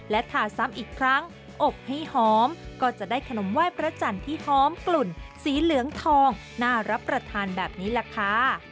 และทาซ้ำอีกครั้งอบให้หอมก็จะได้ขนมไหว้พระจันทร์ที่หอมกลุ่นสีเหลืองทองน่ารับประทานแบบนี้แหละค่ะ